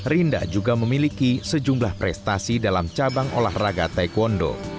rinda juga memiliki sejumlah prestasi dalam cabang olahraga taekwondo